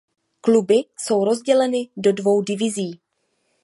Kluby jsou rozděleny do dvou divizí.